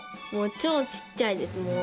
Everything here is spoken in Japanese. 超ちっちゃいです、もう。